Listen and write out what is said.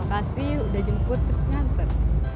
kasih udah jemput terus nganter